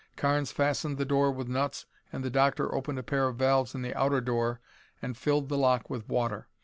Carnes fastened the door with nuts and the Doctor opened a pair of valves in the outer door and filled the lock with water.